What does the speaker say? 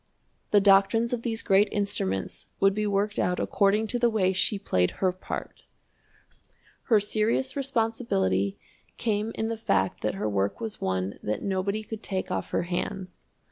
The doctrines of these great instruments would be worked out according to the way she played her part. Her serious responsibility came in the fact that her work was one that nobody could take off her hands.